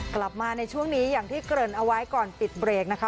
กลับมาในช่วงนี้อย่างที่เกริ่นเอาไว้ก่อนปิดเบรกนะคะ